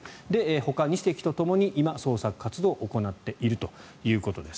ほかに２隻とともに今、捜索活動を行っているということです。